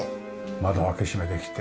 窓開け閉めできて。